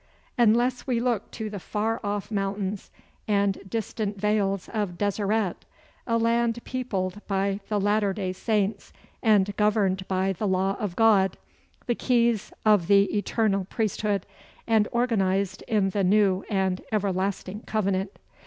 unless we look to the far off mountains and distant vales of Deseret, a land peopled by the Latter day Saints, and governed by the law of God, the keys of the eternal Priesthood, and organized in the New and Everlasting Covenant.